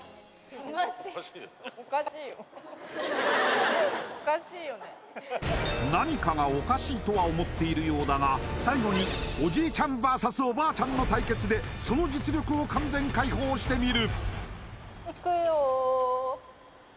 おかしいよ何かがおかしいとは思っているようだが最後におじいちゃんＶＳおばあちゃんの対決でその実力を完全解放してみる